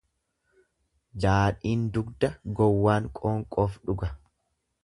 Daadhiin dugda gowwaan qoonqoof dhuga.